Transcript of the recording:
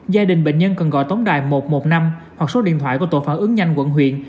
gia đình bệnh nhân cần gọi tổng đài một trăm một mươi năm hoặc số điện thoại của tội phản ứng nhanh quận huyện